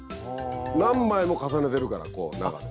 何枚も重ねてるからこう中で。